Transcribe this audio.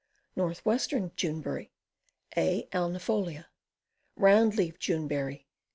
Northwestern June berry. A. alnifoUa. Round leaved June berry.